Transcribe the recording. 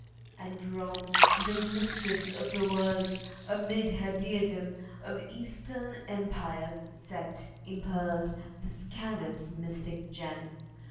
And Rome, the Mistress of the World, Amid her diadem Of Eastern Empires set impearled The Scarab's mystic gem.